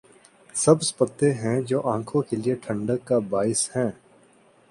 سبز پتے ہیں جو آنکھوں کے لیے ٹھنڈک کا باعث ہیں۔